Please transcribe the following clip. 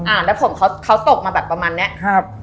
อ่าแล้วผมเขาตกมาแบบประมาณเนี้ย